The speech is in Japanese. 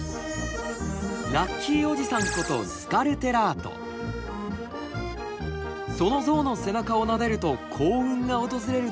ラッキーおじさんことその像の背中をなでると幸運が訪れるとこの街ではいわれています。